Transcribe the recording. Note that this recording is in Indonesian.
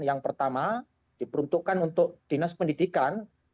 yang pertama diperuntukkan untuk dinas pendidikan